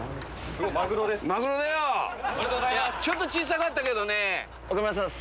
ちょっと小さかったけどね。